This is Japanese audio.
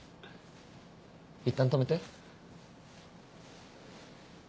いったん止めて。